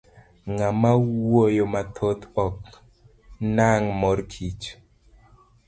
Ng'ama wuoyo mathoth ok nang' mor kich.